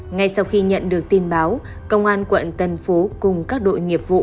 ngay sau khi nhận được tin báo công an quận tân phú cùng các đội nghiệp vụ